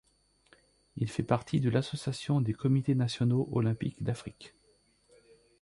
Il fait partie de l'Association des comités nationaux olympiques d'Afrique.